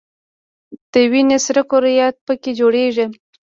د وینې سره کرویات په ... کې جوړیږي.